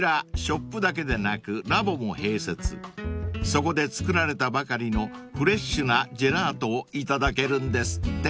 ［そこで作られたばかりのフレッシュなジェラートを頂けるんですって］